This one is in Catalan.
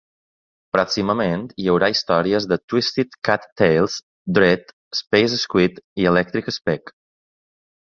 Pròximament, hi haurà històries de "Twisted Cat Tales", "Dred", "Space Squid" i "Electric Spec".